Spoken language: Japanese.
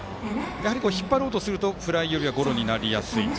引っ張ろうとするとフライよりはゴロになりやすいと。